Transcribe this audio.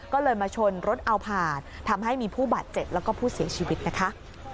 ก็เลยมาชนรถเอาผ่านทำให้มีผู้บาดเจ็บแล้วก็ผู้เสียชีวิตนะคะ